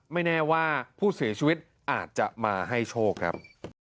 ไม่แน่ว่าผู้เสียชีวิตอาจจะมาให้โชคครับ